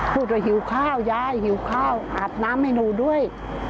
เมื่อคุณฮิวข้าวยายฮิวข้าวอาบน้ำไส้ให้ด้วย